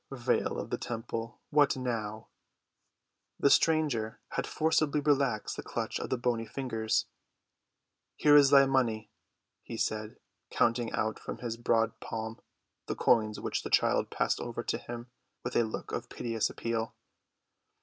Brr—Veil of the temple! what now?" The stranger had forcibly relaxed the clutch of the bony fingers. "Here is thy money," he said, counting out from his broad palm the coins which the child passed over to him with a look of piteous appeal.